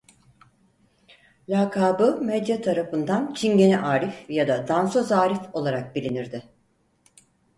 Lakabı Medya tarafından Çingene Arif ya da Dansöz Arif olarak bilinirdi.